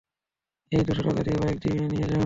এই, দুশো টাকা দিয়ে বাইক নিয়ে যাও।